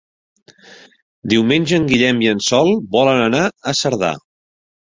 Diumenge en Guillem i en Sol volen anar a Cerdà.